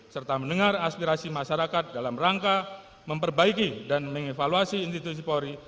serta mendengar aspirasi masyarakat dalam rangka memperbaiki dan mengevaluasi institusi polri